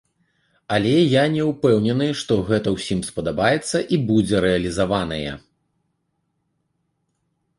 Але я не ўпэўнены, што гэта ўсім спадабаецца і будзе рэалізаванае.